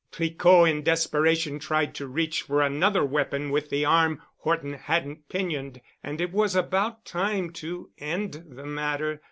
Tricot in desperation tried to reach for another weapon with the arm Horton hadn't pinioned, and it was about time to end the matter.